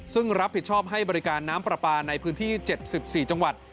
ซึ่งรับผิดชอบให้บริการน้ำปลาปลาในพื้นที่๗๔จังหวัด